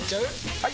・はい！